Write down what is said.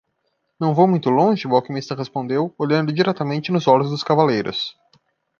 "Não vou muito longe?" o alquimista respondeu? olhando diretamente nos olhos dos cavaleiros.